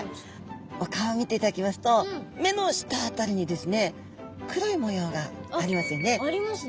お顔を見ていただきますと目の下辺りにですね黒い模様がありますよね？ありますね。